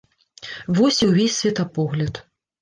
Вось і ўвесь светапогляд.